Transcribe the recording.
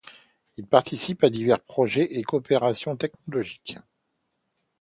Il participe à divers projets et coopérations technologiques.